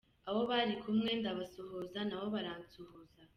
Abo bari kumwe ndabasuhuza nabo baransuhuza.